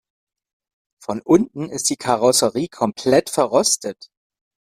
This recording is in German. Von unten ist die Karosserie komplett verrostet.